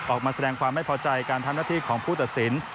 ออกมาแสดงความไม่พอใจการทำหน้าที่ของผู้ตัดสิน